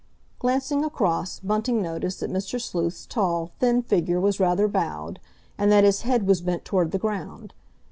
Glancing across, Bunting noticed that Mr. Sleuth's tall, thin figure was rather bowed, and that his head was bent toward the ground.